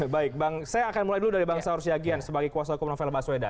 baik bang saya akan mulai dulu dari bang saur syagian sebagai kuasa hukum novel baswedan